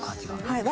はい。